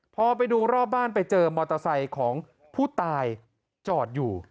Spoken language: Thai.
พอไปดูรอบบ้านไปเจอมอเตอร์ไซค์ของผู้ตายจอดอยู่